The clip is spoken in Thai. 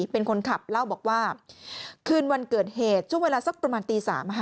เป็นคนขับเล่าบอกว่าคืนวันเกิดเหตุช่วงเวลาสักประมาณตี๓